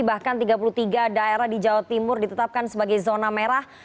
bahkan tiga puluh tiga daerah di jawa timur ditetapkan sebagai zona merah